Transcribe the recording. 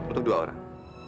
untuk dua orang